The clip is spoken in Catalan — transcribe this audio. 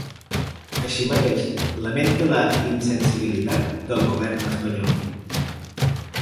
Així mateix, lamenta la ‘insensibilitat’ del govern espanyol.